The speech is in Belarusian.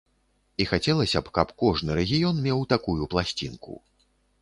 І хацелася б, каб кожны рэгіён меў такую пласцінку.